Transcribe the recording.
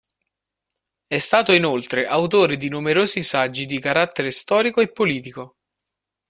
È stato inoltre autore di numerosi saggi di carattere storico e politico.